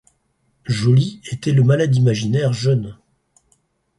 Joly était le malade imaginaire jeune.